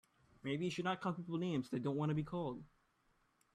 Maybe he should not call people names that they don't want to be called.